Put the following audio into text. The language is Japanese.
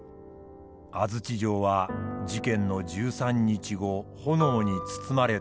安土城は事件の１３日後炎に包まれたのです。